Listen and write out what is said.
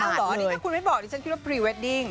อันนี้ถ้าคุณไม่บอกดิฉันคิดว่าพรีเวดดิ้ง